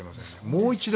もう一度。